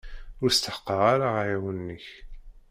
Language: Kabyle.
Ur steḥqeɣ ara aɛiwen-ik.